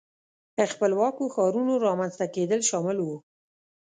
خپلواکو ښارونو رامنځته کېدل شامل وو.